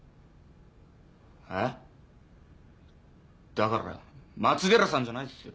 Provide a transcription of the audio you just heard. だから松寺さんじゃないっすよ。